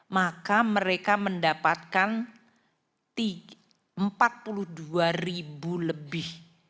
maka mereka mendapatkan empat puluh dua ribu lebih